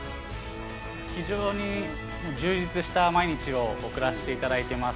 非常に充実した毎日を送らせていただいています。